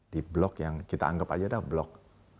di blok yang kita anggap aja adalah blok